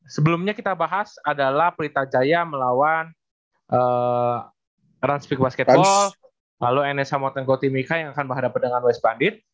sebelumnya kita bahas adalah perintah jaya melawan ransvik basketball lalu ns hamotengkotimika yang akan berhadapan dengan west bandit